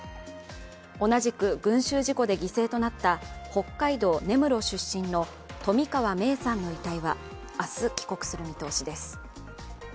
同じく群集事故で犠牲となった北海道根室出身の冨川芽生さんの遺体は明日帰国する見通しです